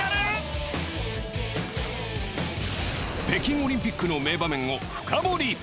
北京オリンピックの名場面を深掘り！